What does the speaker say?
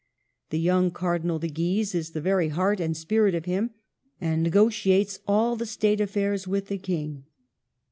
The young Cardinal de Guise is the very heart and spirit of him, and negotiates all State affairs with the King."